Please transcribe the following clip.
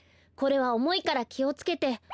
これはおもいからきをつけて。